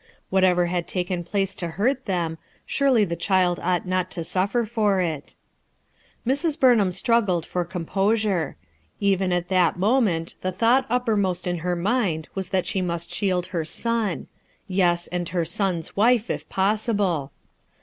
Whatever [had taken place to hurt them, surely the child ought not to suffer for it Mrs. Burnham struggled for composure. Even at that moment the thought uppermost in her mind was that she must shield her son; yes, and her son's wife, if possible.